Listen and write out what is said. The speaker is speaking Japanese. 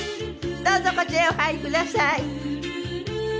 どうぞこちらへお入りください。